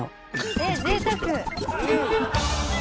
えっぜいたく！